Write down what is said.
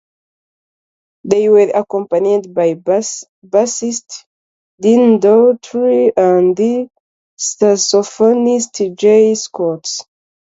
They were accompanied by bassist Dean Daughtry and saxophonist Jay Scott.